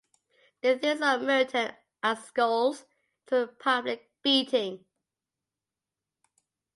The theories of Merton and Scholes took a public beating.